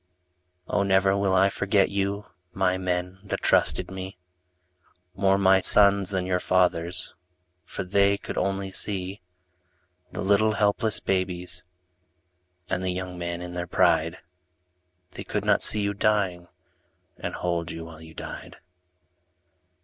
Oh, never will I forget you, My men that trusted me. More my sons than your fathers'. For they could only see The little helpless babies And the young men in their pride. They could not see you dying. And hold you while you died.